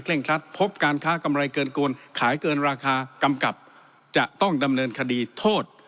ครัดพบการค้ากำไรเกินกวนขายเกินราคากำกับจะต้องดำเนินคดีโทษ